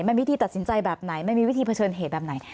มันวิธีตัดสินใจแบบไหนมันมีวิธีเผชิญเหตุแบบไหน